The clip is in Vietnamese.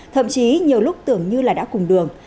thậm chí nhiều lúc tưởng như đã cùng đường